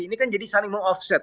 ini kan jadi saling meng offset